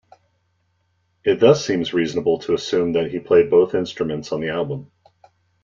It thus seems reasonable to assume that he played both instruments on the album.